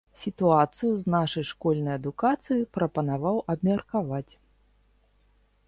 Сітуацыю з нашай школьнай адукацыяй прапанаваў абмеркаваць.